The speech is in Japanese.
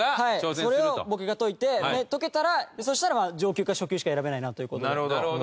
それを僕が解いてで解けたらそしたら上級か初級しか選べないなという事で。